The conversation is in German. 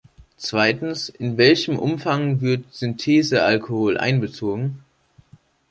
Zweitens, in welchem Umfang wird Synthesealkohol einbezogen?